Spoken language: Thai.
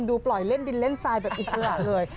ปล่อยเล่นดินเล่นทรายแบบอิสระเลย